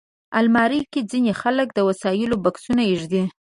الماري کې ځینې خلک د وسایلو بکسونه ایږدي